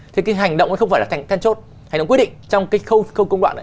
thì cái hành động ấy không phải là kết chốt hành động quyết định trong cái khâu công đoạn này